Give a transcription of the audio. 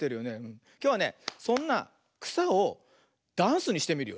きょうはねそんなくさをダンスにしてみるよ。